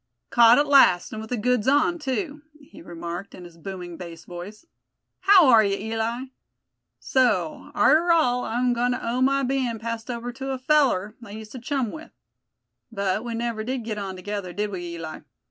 "Caught at last, and with the goods on, too!" he remarked, in his booming bass voice. "How are you, Eli? So, arter all I'm goin' to owe my bein' passed over to a feller I used to chum with. But we never did git on together, did we, Eli?